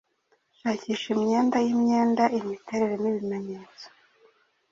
Shakisha imyenda yimyenda, Imiterere nibimenyetso,